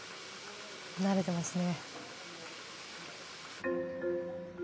慣れてますね。